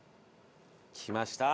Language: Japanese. きました！